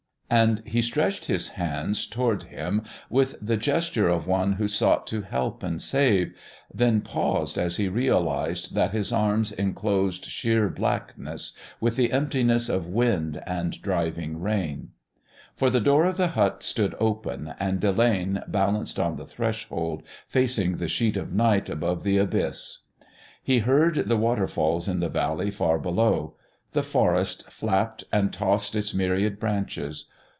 And he stretched his hands towards him with the gesture of one who sought to help and save, then paused as he realised that his arms enclosed sheer blackness, with the emptiness of wind and driving rain. For the door of the hut stood open, and Delane balanced on the threshold, facing the sheet of night above the abyss. He heard the waterfalls in the valley far below. The forest flapped and tossed its myriad branches.